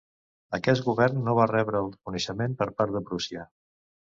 Aquest govern no va rebre el reconeixement per part de Prússia.